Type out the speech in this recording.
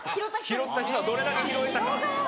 拾った人がどれだけ拾えたか。